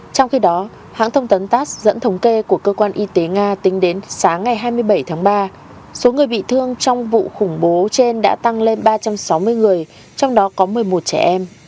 trong khi đó hãng thông tấn tass dẫn thống kê của cơ quan y tế nga tính đến sáng ngày hai mươi bảy tháng ba số người bị thương trong vụ khủng bố trên đã tăng lên ba trăm sáu mươi người trong đó có một mươi một trẻ em